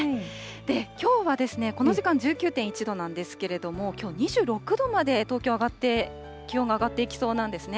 きょうは、この時間１９．１度なんですけれども、きょう２６度まで、東京、気温が上がっていきそうなんですね。